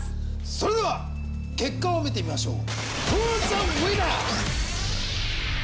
それでは結果を見てみましょう。